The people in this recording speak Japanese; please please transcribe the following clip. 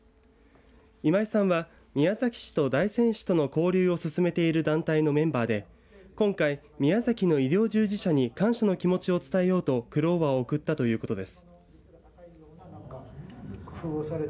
今井さんは宮崎市と大仙市との交流を進めている団体のメンバーで今回、宮崎の医療従事者に感謝の気持ちを伝えようとクローバーを贈ったということです。